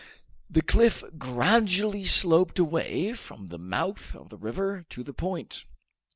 The cliff gradually sloped away from the mouth of the river to the point.